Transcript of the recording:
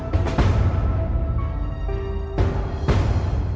โปรดติดตามตาม